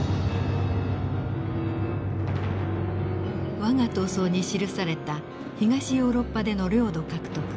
「わが闘争」に記された東ヨーロッパでの領土獲得。